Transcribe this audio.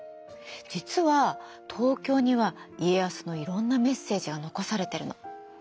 実は東京には家康のいろんなメッセージが残されているの。